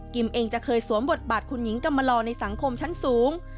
เองจะเคยสวมบทบาทคุณหญิงกำมาลอในสังคมชั้นสูง